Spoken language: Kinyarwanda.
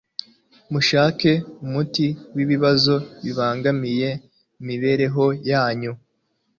Mushake umuti w'ibibazo bibangamiye imibereho yanyu.